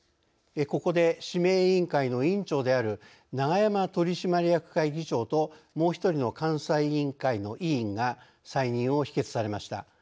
ここで指名委員会の委員長である永山取締役会議長ともう１人の監査委員会の委員が再任を否決されました。